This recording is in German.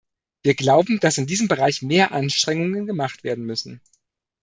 Wir glauben, dass in diesem Bereich mehr Anstrengungen gemacht werden müssen.